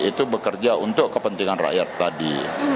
itu bekerja untuk kepentingan rakyat tadi